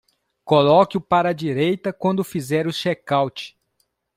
Coloque-o para a direita quando fizer o check out